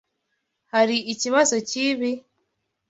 Hari ikibazo cyibi?